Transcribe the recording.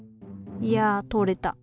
いやとれた。